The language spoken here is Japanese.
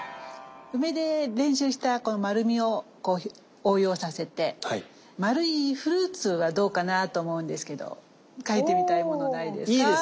梅で練習したこの丸みを応用させて丸いフルーツはどうかなと思うんですけど描いてみたい物ないですか？